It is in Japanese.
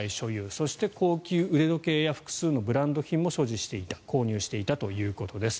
そして、高級腕時計や複数のブランド品も所持していた購入していたということです。